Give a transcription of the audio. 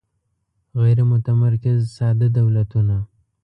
غیر متمرکز ساده دولتونه